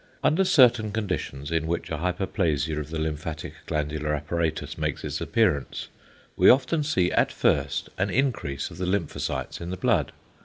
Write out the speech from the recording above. Under certain conditions in which a hyperplasia of the lymphatic glandular apparatus makes its appearance, we often see at first an increase of the lymphocytes in the blood.